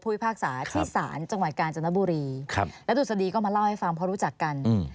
พิพากษาที่ศาลจังหวัดกาญจนบุรีครับแล้วดุษฎีก็มาเล่าให้ฟังเพราะรู้จักกัน